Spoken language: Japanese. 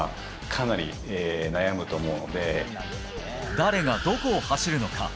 誰が、どこを走るのか。